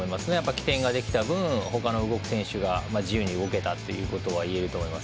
起点ができた分ほかの動く選手が自由に動けたということはいえると思います。